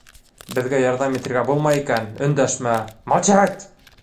Беҙгә ярҙам итергә булмай икән, өндәшмә, молчать!